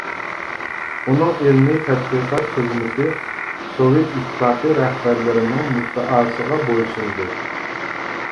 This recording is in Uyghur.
ئۇنىڭ ئىلمىي تەتقىقات خىزمىتى سوۋېت ئىتتىپاقى رەھبەرلىرىنىڭ مۇددىئاسىغا بويسۇندى.